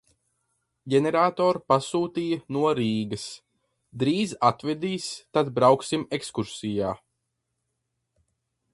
Ģeneratoru pasūtīja no Rīgas, drīz atvedīs, tad brauksim ekskursijā.